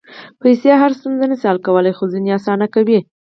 پېسې هره ستونزه نه شي حل کولی، خو ځینې اسانه کوي.